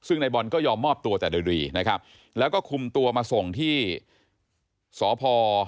ซึ่งในบอลก็ยอมมอบตัวแต่โดยดีนะครับแล้วก็คุมตัวมาส่งที่สพ